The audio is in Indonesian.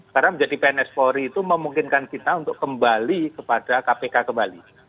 karena menjadi pns polri itu memungkinkan kita untuk kembali kepada kpk kembali